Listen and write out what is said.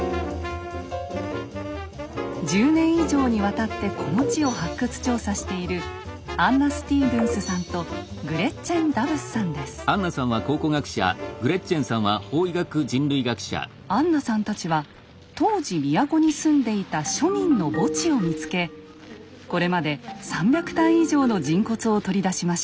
１０年以上にわたってこの地を発掘調査しているアンナさんたちは当時都に住んでいた庶民の墓地を見つけこれまで３００体以上の人骨を取り出しました。